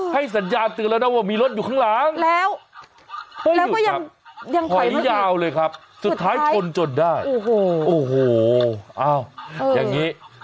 ให้สัญญาณตื่นแล้วนะว่ามีรถอยู่ข้างหลังไม่อยู่ครับหอยยาวเลยครับสุดท้ายชนจนได้โอ้โหอย่างนี้